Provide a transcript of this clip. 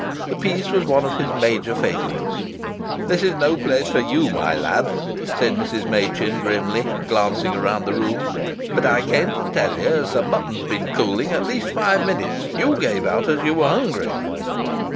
The piece was one of his major favourites. "This is no place for you, my lad," said Mrs. Machin, grimly, glancing round the room. "But I came to tell ye as th' mutton's been cooling at least five minutes. You gave out as you were hungry."